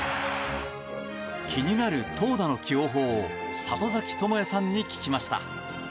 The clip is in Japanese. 気になる投打の起用法を里崎智也さんに聞きました。